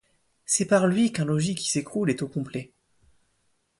C'est par lui qu'un logis qui s'écroule est complet ;